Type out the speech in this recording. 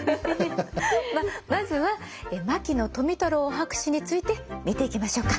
まあまずは牧野富太郎博士について見ていきましょうか。